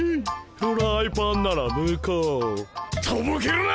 フライパンなら向こう。とぼけるな！